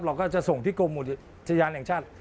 เราก็จะส่งที่กรมอุทยานแห่งชาติ